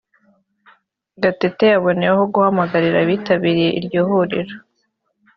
Gatete yaboneyeho guhamagarira abitabiriye iryo huriro